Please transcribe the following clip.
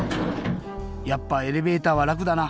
やっぱエレベーターはらくだな。